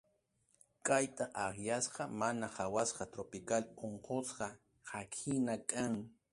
Kayta akllasqa mana qhawasqa tropical unqusqa kaqhina kan.